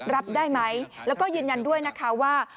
รับได้ไหมแล้วก็ยืนยันด้วยนะคะว่า